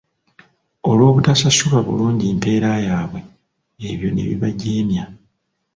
Olw'obutasasulwa bulungi mpeera yaabwe, ebyo ne bibajeemya.